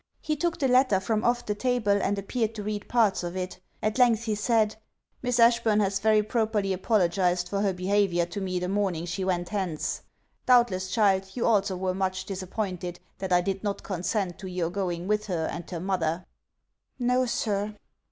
He took the letter from off the table, and appeared to read parts of it at length he said, 'Miss Ashburn has very properly apologized for her behaviour to me the morning she went hence. Doubtless, child, you also were much disappointed, that I did not consent to your going with her and her mother.' 'No, sir.'